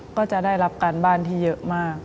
ก็จะได้รับการบ้านที่เยอะมาก